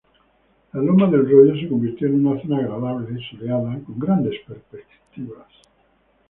La Loma del Royo se convirtió en una zona agradable, soleada, con grandes perspectivas.